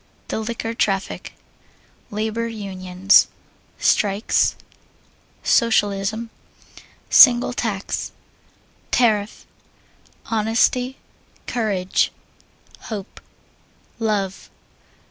The Liquor Traffic. Labor Unions. Strikes. Socialism. Single Tax. Tariff. Honesty. Courage. Hope. Love.